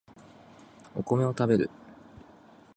お米を食べる